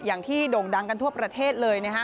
โด่งดังกันทั่วประเทศเลยนะฮะ